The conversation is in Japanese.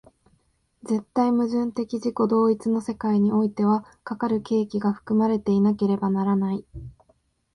絶対矛盾的自己同一の世界においては、かかる契機が含まれていなければならない。